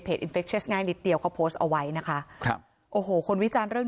เพจง่ายนิดเดียวเขาเอาไว้นะคะครับโอ้โหคนวิจารย์เรื่อง